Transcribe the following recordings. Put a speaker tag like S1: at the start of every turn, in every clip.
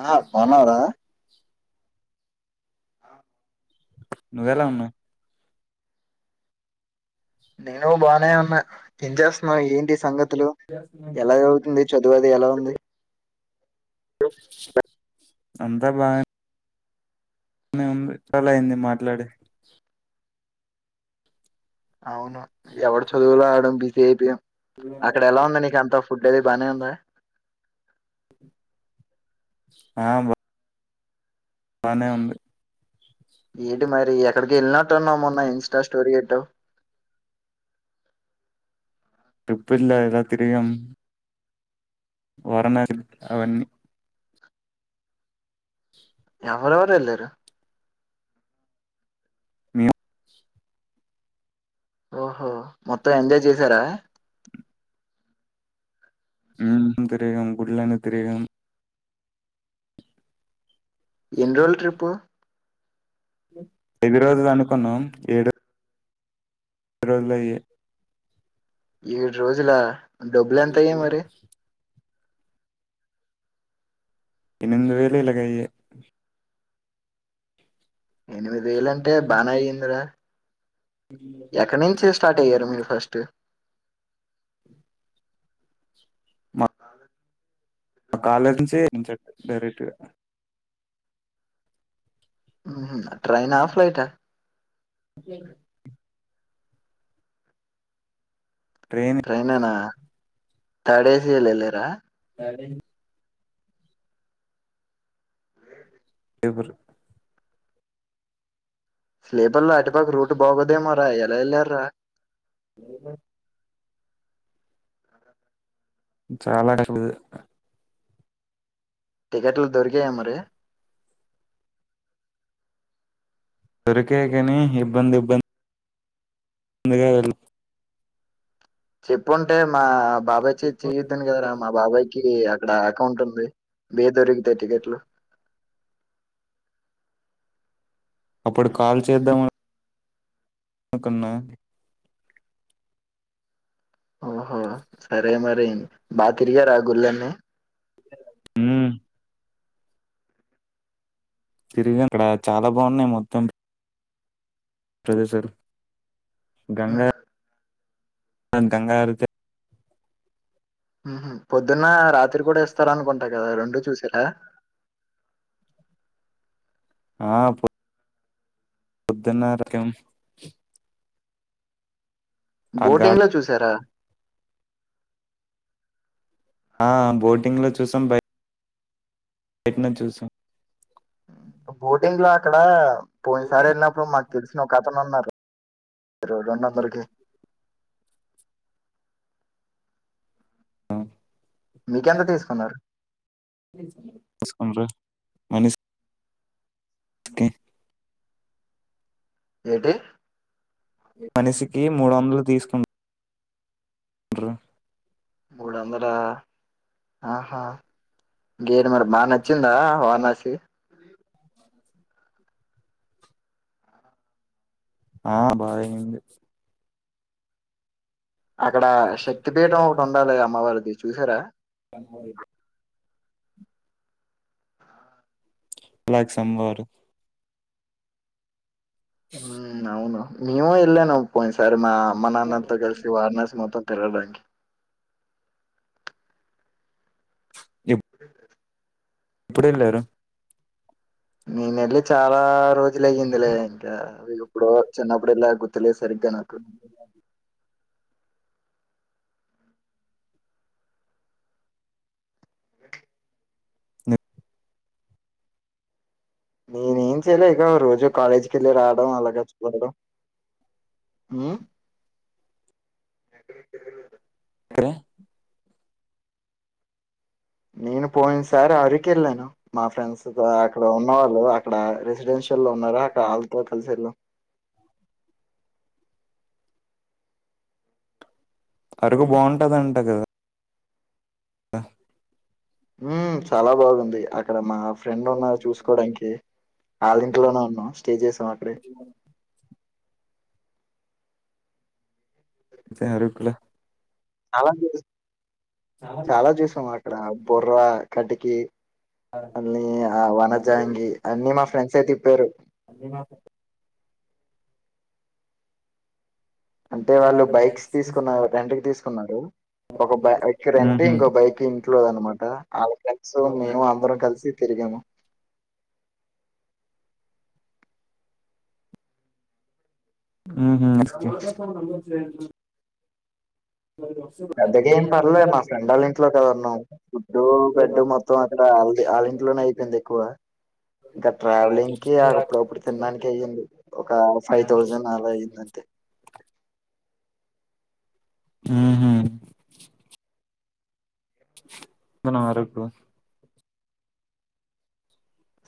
S1: ఆ బాగున్నావా రా
S2: నువ్వెలా ఉన్నావ్
S1: నేను బాగానే ఉన్నా ఏం చేస్తున్నావు ఏంటి సంగతి తులు ఎలాగ అవుతుంది చదువు అది ఎలా ఉంది
S2: అంతా బానే ఉంది చాలా అయింది మాట్లాడి
S1: అవును ఎవడు చదువులో ఆడు బిజీ అయిపోయం అక్కడ ఎలా ఉంది నీక అంత ఫుడ్ అది బానే ఉందా
S2: ఆ బా బానే ఉంది
S1: ఏంటి మరి ఎక్కడికో వెళ్ళినట్టున్నావ్ మొన్న ఇన్స్టా స్టోరీ పెట్టావ్
S2: ట్రిప్పు వేసిన కదా తిరిగినాం ఓరనాటి అవన్నీ
S1: ఎవరెవరు వెళ్ళారు
S2: మేము
S1: ఓహో మొత్తం ఎంజాయ్ చేసారా
S2: ఉమ్ తిరిగాం గుడిలు అన్ని తిరిగాం
S1: ఎన్ని రోజుల ట్రిప్పు
S2: ఎన్ని రోజులు అనుకున్నాం ఏడు రోజులు అయ్యాయి
S1: ఏడు రోజులా డబ్బులు ఎంత అయ్యాయి మరి
S2: ఎనిమిది వేలు ఇలాగ అయ్యాయి
S1: ఎనిమిది వేలంటే బానే అయ్యిందిరా
S2: చడి
S1: ఎక్కడి నుంచి స్టార్ట్ అయ్యారు మీరు ఫస్ట్
S2: మ కాలేజీ నుంచి డైరెక్ట్ గా
S1: ట్రైన్ ఆ ఫ్లైట్ ఆ
S2: ఫ్లైట్ ట్రైన్ ఏ
S1: ట్రైనేనా థర్డ్ ఏసీ లో వెళ్లిర్ర
S2: సరే పేపరు
S1: స్లీపర్ లో అటుపక్క రూట్ బాగోదేమో రా ఎలా వెళ్ళారా
S2: అ చాలా [unintelligible]
S1: టికెట్లు దొరికాయా మరి
S2: దొరికాయి గాని ఇబ్బంది ఇబ్బంది అందుకే వె
S1: చెప్పుంటే మా బాబాయ్ చే తీసిద్దును కదరా మా
S2: వెళ్
S1: బాబాయ్కి అక్కడ అకౌంట్ ఉంది బే దొరికితాయి టికెట్లు
S2: అప్పుడు కాల్ చేద్దాం కన్నా
S1: ఓహో సరే మరి బా తిరిగారా గుడులు అన్ని
S2: ఉమ్ తిరిగాన్ అక్కడ చాలా బాగున్నాయి మొత్తం సరే సరే
S1: హా
S2: అంతగారుకే
S1: పొద్దున్న రాత్రి కూడా ఇస్తారు అనుకుంటా కదా రెండు చూసారా?
S2: ఆ పొద్దున్నరకం
S1: బోర్టింగ్
S2: ఘాట్
S1: లో చూసారా?
S2: ఆ బోటింగ్లో చూసాం బే పేట్నం చూసాం
S1: బోటింగ్ లో అక్కడ పోయిన సారి వెళ్ళినప్పుడు మాకు తెలిసిన ఒక అతను ఉన్నాడు. రెండో నంబర్కికే
S2: ఆ,
S1: మీకెంత తీసుకున్నారు.
S2: తీసుకున్నరె మనిష్ ఓకే
S1: ఏటు
S2: మనిషికి మూడందలు తీసుకున్ అంట్రు
S1: మూడు వందల ఆహా ఇంకేటి మరి బాగా నచ్చిందా వారానాసి
S2: ఆ బాగా అయ్యింది.
S1: అక్కడ శక్తి. పీఠం ఒకటి ఉండాలి అమ్మవారిది చూసారా?
S2: ఆ అయితే లైక్ సంభారు
S1: ఉమ్ అవును మీవు ఎల్లము నవ పోయి సారి మా అమ్మ నాన్నంతా కలిసి వారణాసి మొత్తం తిరగడానికి
S2: ఎప్-
S1: [unintelligible]
S2: ఎప్పుడు ఏళ్ళారు.
S1: నేనెళ్లి చాలా రోజులు అయ్యిందిలే ఇంకా ఇప్పుడో చిన్నప్పుడు ఎల్లా గుర్తులేస్ సరిగ్గా నాకు
S2: మీరు
S1: నేనేం చేయలే ఇక రోజు కాలేజీకి వెళ్ళి రావడం అలాగ వదడం ఉమ్
S2: అరే
S1: నేను పోయిన సారీ అరికెళ్ళాను మా ఫ్రెండ్స్ తో ఆ అక్కడ ఉన్న వాళ్ళు అక్కడ రెసిడెన్షియల్ లో ఉన్నార అక్క ఆళ్ళతోటి అల్సైడ్ లో
S2: అరకు బాగుంటదింట కదా ఆ
S1: ఉ చాలా బాగుంది. అక్కడ మా ఫ్రెండ్ ఉన్నారు చూసుకోవడానికి అళ్ళ ఇంట్లోనే ఉన్నాం స్టే చేసం
S2: [inaudible] త్త అరుకులా
S1: చాలా చుస్ చాలా చూసాము అక్కడ బొర్రా కటికి అన్ని వనజాంగి అన్ని మా ఫ్రెండ్స్ యే తిప్పారు.
S2: ఏమా
S1: అంటే వాళ్ళు బైక్స్ తీసుకున్నారు రెంటుకు తీసుకున్నారు. ఒక బ ఎక్కిర్రు అంటే
S2: మ్మ్హ్మ్.
S1: ఇంకో బైక్ ఇంట్లో ది అనమాట అల్లా ఫ్రెండ్స్ మేము అందరం కలిసి తిరిగాము.
S2: మ్ ఉహుం.
S1: పెద్దగా ఏం పర్లే మా ఫ్రెండ్ వొల్ల ఇంట్లో కదా ఉన్నం ఫుడ్ బెడ్డు మొత్తం అక్కడ అలదే ఆళ్ళ ఇంట్లోనే అయిపోయింది ఎక్కువ ఇకా ట్రావెలింగ్ కి అప్పుడప్పుడు తినడానికి అయ్యింది ఒక ఫైవ్ థౌజండ్ అలా అయ్యింది అంతే
S2: హ్మ్ హు వస్తున్నా అరుకు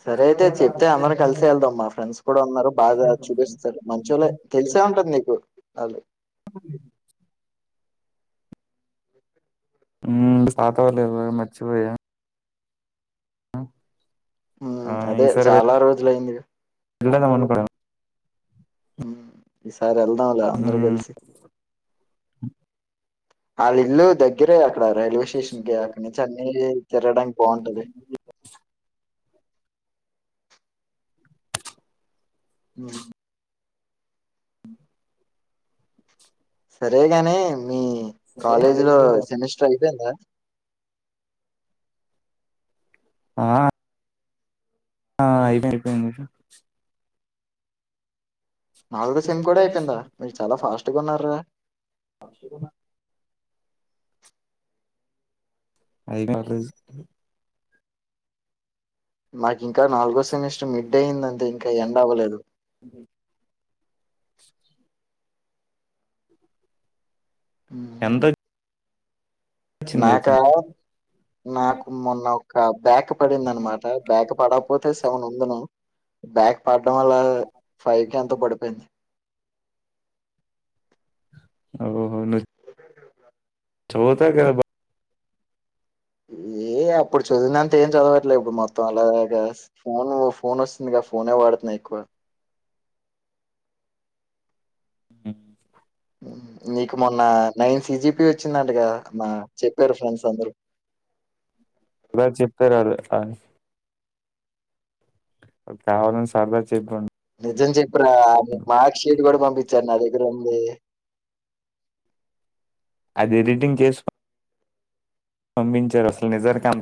S1: సరే అయితే చెప్తే అందరం కలిసే వెళ్దాం మా ఫ్రెండ్స్ కూడా ఉన్నారు బాగా చూపిస్తారు మంచోల్లే తెలిసే ఉంటది నీకు వాళ్ళు
S2: అ ఉమ్ తాగుతావా లేదా మర్చిపోయా ఉమ్
S1: ఉమ్ అదే చాలా రోజులయింది గా
S2: వదిలేద్దాం అనుకుంటున్నావా
S1: ఉమ్ ఈసారి వెళ్దాం లే అందరం
S2: ఉమ్
S1: కలిసి వాళ్ళ ఇల్లు దగ్గరే అక్కడ రైల్వే స్టేషన్ కి అక్కడ నుంచి అన్ని తిరగడానికి బాగుంటది ఉమ్ సరేగాని మీ కాలేజీ లో సెమిస్టర్ అయిపోయిందా
S2: ఆ ఆ అయిపోయింది
S1: నాలుగో సెమ్ కూడా అయిపోయిందా మీరు చాలా ఫాస్ట్గా ఉన్నారా
S2: పకున్నా అయిపోయినాయి రే
S1: మాకు ఇంకా నాలుగో సెమిస్టర్ మిడ్ అయింది అంతే ఇంకా ఎండ్ అవ్వలేదు
S2: ఉహూ
S1: ఉమ్
S2: ఎంత వచ్చింది అయితే
S1: నాకా నాకు మొన్న ఒక బ్యాక్ పడిందనమాట బ్యాక్ పడకపోతే సెవన్ ఉందని బ్యాక్ పడడం వల్ల ఫైవ్ కే అంత పడిపోయింది
S2: ఓహో ను చోత క బా
S1: ఏ అప్పుడు చదివినంత ఏం చదవట్లేదు ఇప్పుడు మొత్తం అలా ఎస్ ఫోన్ ఫోన్ వస్తుందిగా ఫోనే వాడుతున్న ఎక్కువ
S2: ఉమ్
S1: ఉమ్ నీకు మొన్న నైన్ సిజీపిఏ వచ్చిందంట కదా మా చెప్పారు ఫ్రెండ్స్ అందరూ
S2: అలా చెప్తారు వాళ్ళు ఆ వాళ్ళు కావాలని సరదా చెప్పిండు
S1: నిజం చెప్పరా మార్క్ షీట్ కూడా పంపించారు నా దగ్గర ఉంది
S2: అది ఎడిటింగ్ చేసుకో పంపించారు అసలు నిజం స్కాం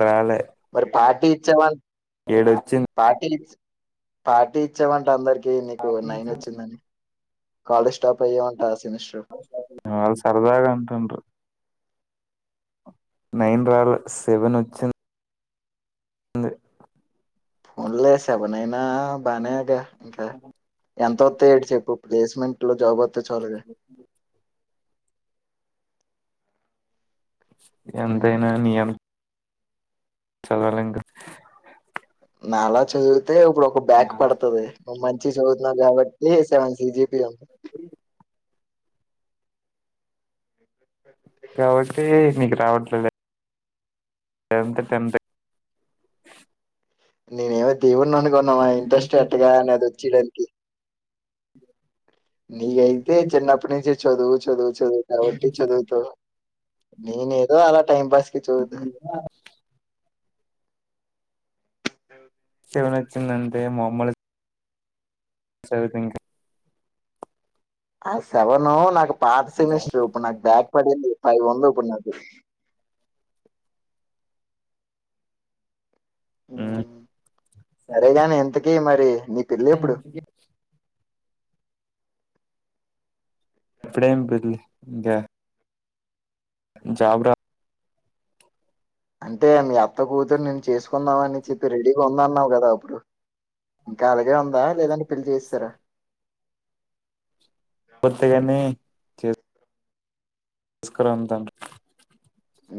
S1: మరి పార్టీ ఇచ్చావా
S2: ఏడొచ్చింది
S1: పార్టీ పార్టీ ఇచ్చావంట అందరికి నీకు నైన్ వచ్చిందని కాలేజ్ టాప్ అయ్యావంట సెమిస్టర్
S2: వాళ్ళు సరదగా అంటుంటారు నైన్ రాలే సెవెన్ వచ్చింది
S1: పోన్లే సెవెన్ అయినా బానే గా ఇంకా ఎంత వత్తాయి ఏంటి చెప్పు ప్లేస్మెంట్ లో జాబ్ వ త్తే చాలు లే
S2: ఎంతయినా నీ అంత చదవలేం కదా
S1: నాలా చదివితే ఇప్పుడు ఒక బ్యాక్ పడుతది నువ్ మంచి చదువుతున్నావు కాబట్టి సెవెన్ జేపీ అం
S2: కాబట్టి నీకు రావట్లేలే టెన్త్ టెన్త్
S1: నేనే ఏమై దేవున్నా అనుకున్నావా ఇంట్రెస్ట్ పెట్టగానే అది వచ్చేయడానికి నీకయితే చిన్నప్పటి నుంచి చదువు చదువు చదువు కాబట్టి చదువుతావ్ నేను ఏదో అలా టైం పాస్ కి చూదా [inaudible] ఓ
S2: సెలవు వచ్చిందంతే మమ్మల్ని సరిపి ఇంకా
S1: ఆ సెవను నాకు పాత సెమిస్టర్ ఇప్పుడు నాకు బ్యాక్ పడింది అయి వంద ఇప్పుడు నాకి ఊ ఊ సరేగాని ఇంతకి మరి నీ పెళ్ళెప్పుడు
S2: [unintelligible] ఇప్పుడేం పెళ్ళి ఇంకా జాబ్ రా
S1: అంటే మీ అత్త కూతురు నిన్ను చేసుకుందామని చెప్పి రెడీగా ఉంద అన్నావు కదా అప్పుడు ఇంకా అలాగే ఉందా లేదంటే పెళ్లి చేసేసారా
S2: ఒత్తేగాని చే [unintelligible] అంటాంది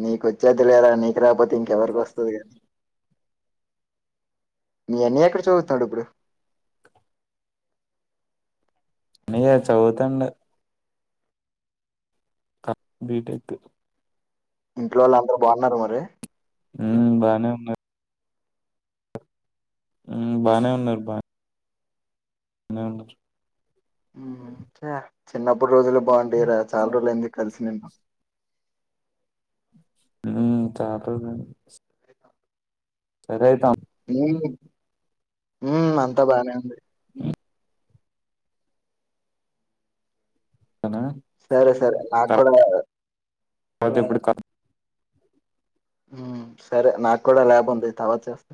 S1: నీకు వచ్చేద్ది లేరా నీకు రాకపోతే ఇంకెవరికి వస్తది కానీ మీ అన్నీయ్య ఎక్కడ చూదువుతున్నాడు ఇప్పుడు
S2: అన్నయ్య చదువుతండు క బిటెక్
S1: ఇంట్లో వోళ్ళు అందరూ బాగున్నారు మరి
S2: ఊ బానే ఉన్నారు ఊ బానే ఉన్నారు బానే బానే ఉన్నారు
S1: ఉ చ చిన్నప్పుటి రోజులు బాగుండివి రా చాలా రోజులు అయింది కలిసి నిన్ను
S2: ఊ చాలా రోజులు అయింది రెడీ అయతా
S1: ఉహు ఊ అంతా బానే ఉంది
S2: ఉంటాను
S1: సరే సరే నాకు కూడా వా
S2: అయితే ఇప్పుడు కాదు
S1: ఊ సరే నాకు కూడా ల్యాబ్ ఉంది తరువాత చేస్తా